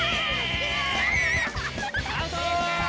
アウト！